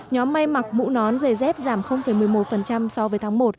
nhóm may mặc mũ nón giày dép giảm một mươi một so với tháng một